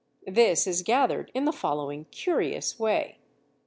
This is gathered in the following curious way.